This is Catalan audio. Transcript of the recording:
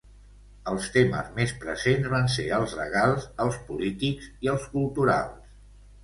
Els temes més presents van ser els legals, els polítics i els culturals.